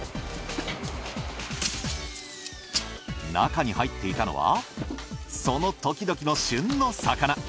中に入っていたのはその時々の旬の魚。